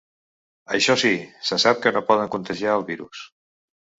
Això sí, se sap que no poden contagiar el virus.